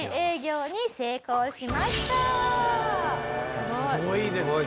すごいですよね。